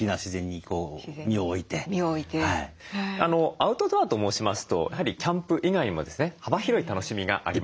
アウトドアと申しますとやはりキャンプ以外にもですね幅広い楽しみがあります。